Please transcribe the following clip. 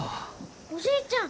おじいちゃん！